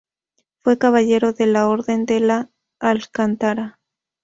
Fue Caballero de la Orden de Alcántara.